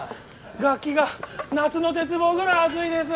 楽器が夏の鉄棒ぐらい熱いです！